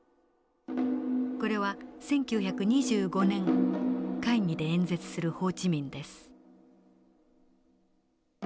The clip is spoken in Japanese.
これは１９２５年会議で演説するホー・チ・ミンです。